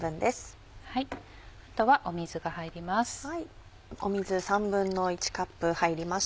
あとは水が入ります。